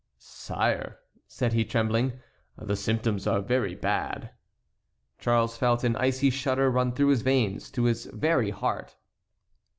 "Sire," said he, trembling, "the symptoms are very bad." Charles felt an icy shudder run through his veins to his very heart.